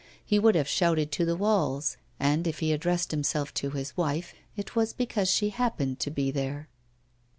He would have shouted to the walls; and if he addressed himself to his wife it was because she happened to be there.